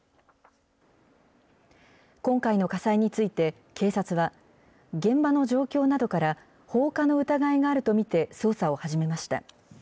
今回の火災について、警察は、現場の状況などから、放火の疑いがあると見て捜査を始めました。